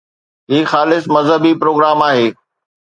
هي خالص مذهبي پروگرام آهي